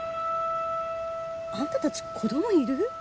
あんたたち子供いる？